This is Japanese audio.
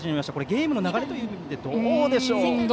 ゲームの流れという意味ではどうでしょう？